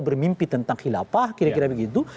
bermimpi tentang khilafah kira kira begitu